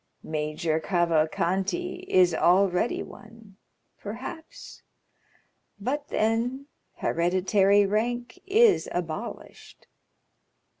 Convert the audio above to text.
"Major Cavalcanti is already one, perhaps; but then, hereditary rank is abolished."